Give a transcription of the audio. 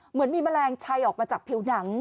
เหมือนมีแมลงชัยออกมาจากผิวหนัง